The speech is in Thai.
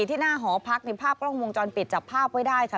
ที่หน้าหอพักในภาพกล้องวงจรปิดจับภาพไว้ได้ค่ะ